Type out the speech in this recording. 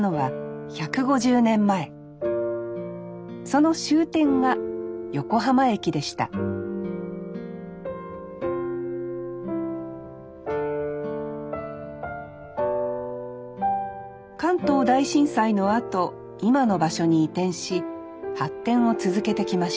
その終点が横浜駅でした関東大震災のあと今の場所に移転し発展を続けてきました